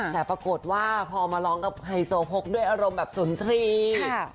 แต่ปรากฏว่าพอมาร้องกับไฮโซโพกด้วยอารมณ์แบบสุนทรีย์